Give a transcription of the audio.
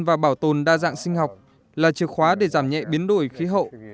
và bảo tồn đa dạng sinh học là chìa khóa để giảm nhẹ biến đổi khí hậu